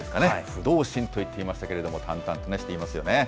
不動心といっていますけれども、淡々と話していますよね。